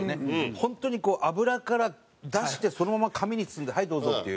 本当にこう油から出してそのまま紙に包んで「はいどうぞ」っていう。